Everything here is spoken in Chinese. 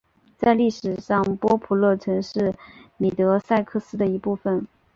在历史上波普勒曾是米德塞克斯的一部分。